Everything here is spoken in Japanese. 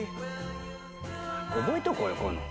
覚えとこうよこういうの。